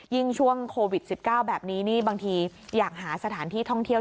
ช่วงโควิด๑๙แบบนี้นี่บางทีอยากหาสถานที่ท่องเที่ยว